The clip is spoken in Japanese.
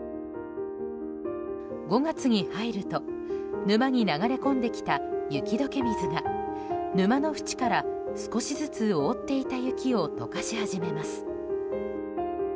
５月に入ると沼に流れ込んできた雪解け水が沼の縁から、少しずつ覆っていた雪を解かし始めます。